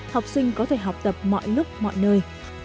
học sinh có thể học tập mọi lúc mọi nơi